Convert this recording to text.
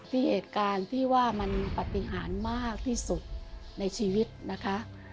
เหตุการณ์พี่ว่ามันปฏิหารมากที่สุดในชีวิตนะคะ